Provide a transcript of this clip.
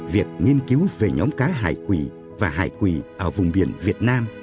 việc nghiên cứu về nhóm cá hải quỷ và hải quỷ ở vùng biển việt nam